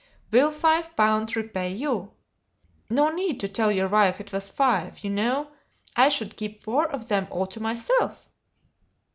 "Will five pounds repay you? No need to tell your wife it was five, you know! I should keep four of them all to myself."